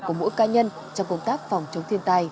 của mỗi ca nhân trong công tác phòng chống thiên tai